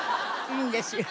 いいんですよ。